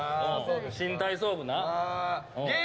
新体操部な。